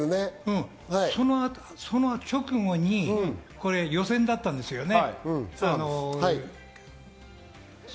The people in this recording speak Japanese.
その直後に予選だったんですよね？